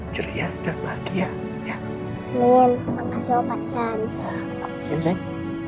ceria dan bahagia ya minum makasih obat cang ceng